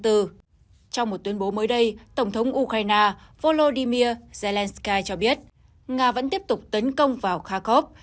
trong một tuyên bố mới đây tổng thống ukraine volodymyr zelensky cho biết nga vẫn tiếp tục tấn công vào khakhov